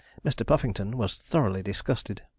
Mr. Puffington was thoroughly disgusted.